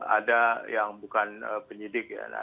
ada yang bukan penyidik ya